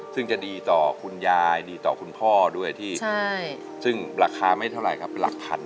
ซึ่งจะดีต่อคุณยายดีต่อคุณพ่อด้วยที่ซึ่งราคาไม่เท่าไหร่ครับหลักพัน